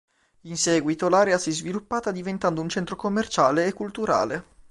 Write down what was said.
In seguito l'area si è sviluppata diventando un centro commerciale e culturale.